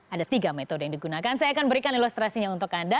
ada tiga metode yang digunakan saya akan berikan ilustrasinya untuk anda